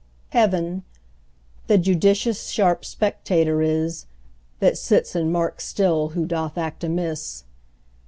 Heaven the judicious sharp spectator is, That sits and marks still who doth act amiss.